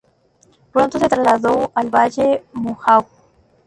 Pronto se trasladó al valle Mohawk.